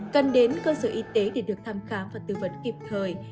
cần đến cơ sở y tế để được thăm khám và tư vấn kịp thời